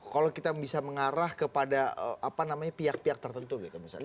kalau kita bisa mengarah kepada pihak pihak tertentu gitu misalnya